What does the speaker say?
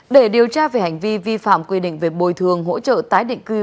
để điều tra về hành vi vi phạm quy định về bồi thường hỗ trợ tái định cư